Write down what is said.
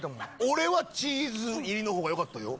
俺はチーズ入りの方がよかったよ。